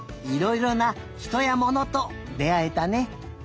いろいろなひとやものとであえたね。